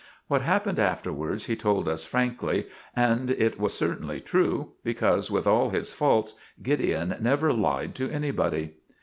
What happened afterwards he told us frankly; and it was certainly true, because, with all his faults, Gideon never lied to anybody.